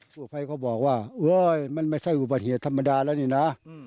ผู้ภัยก็บอกว่ามันไม่ใช่อุบัติเหตุธรรมดาแล้วนี่นะ